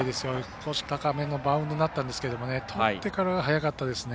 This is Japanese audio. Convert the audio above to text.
少し高めのバウンドになったんですけどとってからは早かったですね。